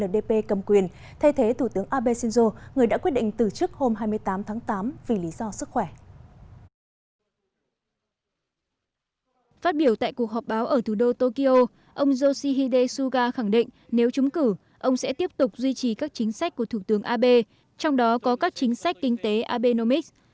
điều tại cuộc họp báo ở thủ đô tokyo ông yoshihide suga khẳng định nếu chúng cử ông sẽ tiếp tục duy trì các chính sách của thủ tướng abe trong đó có các chính sách kinh tế abe nomics